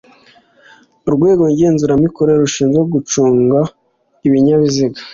urwego ngenzuramikorere rushinzwe rwo gucunga ibinyabiziga